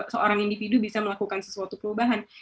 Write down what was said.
seorang individu bisa melakukan sesuatu perubahan